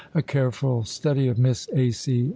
A careful study of Miss A. C.